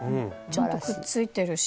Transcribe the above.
ちゃんとくっついてるし。